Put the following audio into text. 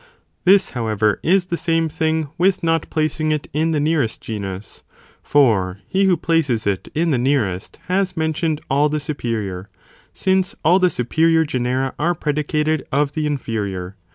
This however is the same thing with not placing it in the nearest genus, for he who places it in the nearest, has mentioned all the superior, since all the superior genera are predicated of the inferior.